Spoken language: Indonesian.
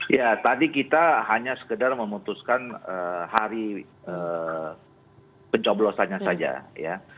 ya tadi kita hanya sekedar memutuskan hari pencoblosannya saja ya